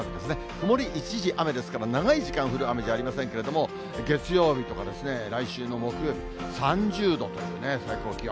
曇り一時雨ですから、長い時間降る雨じゃありませんけれども、月曜日とかですね、来週の木曜日、３０度というね、最高気温。